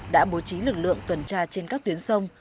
đã bố trí lực lượng tuần tra trên các tuyến sông